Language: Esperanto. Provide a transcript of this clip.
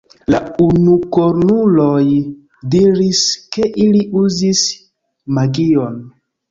La unukornuloj diris, ke ili uzis magion.